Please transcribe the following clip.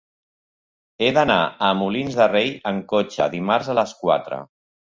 He d'anar a Molins de Rei amb cotxe dimarts a les quatre.